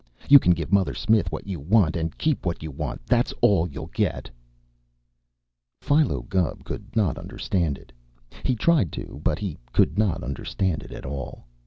"You can give Mother Smith what you want, and keep what you want. That's all you'll get." Philo Gubb could not understand it. He tried to, but he could not understand it at all.